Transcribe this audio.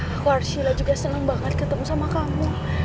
aku arshila juga senang banget ketemu sama kamu